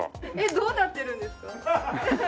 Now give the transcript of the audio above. どうなってるんですか？